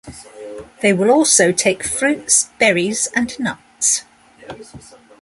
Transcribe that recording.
They will also take fruits, berries, and nuts.